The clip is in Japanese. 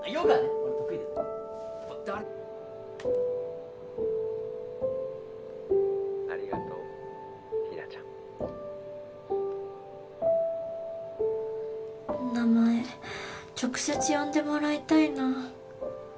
俺得意だ「ありがとうヒナちゃん」名前直接呼んでもらいたいなぁ